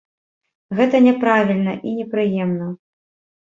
Гэта няправільна і непрыемна.